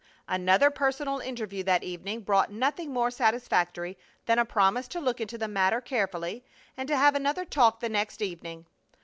Another personal interview that evening brought nothing more satisfactory than a promise to look into the matter carefully, and to have another talk the next evening.